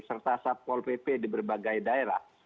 serta satpol pp di berbagai daerah